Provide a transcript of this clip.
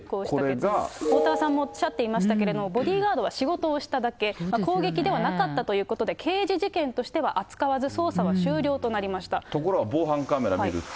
おおたわさんもおっしゃってましたけども、ボディーガードは仕事をしただけ、攻撃ではなかったということで、刑事事件としては扱わず、捜査は終了となりましところが防犯カメラ見ると。